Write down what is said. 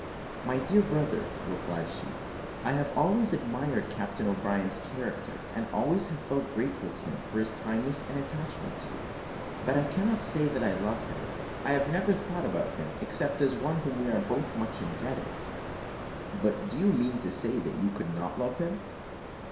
"My dear brother," replied she, "I have always admired Captain O'Brien's character, and always have felt grateful to him for his kindness and attachment to you; but I cannot say that I love him I have never thought about him, except as one to whom we are both much indebted." "But do you mean to say that you could not love him?"